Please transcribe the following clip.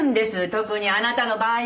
特にあなたの場合は！